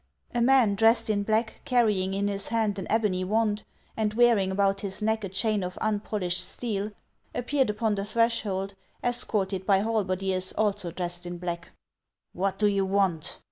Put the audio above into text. A man dressed in black, carrying in his hand an ebony wand, and wearing about his neck a chain of unpolished steel, appeared upon the threshold, escorted by halberdiers also dressed in black. "What do you want?''